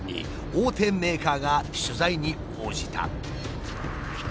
大手メーカーが取材に応じた。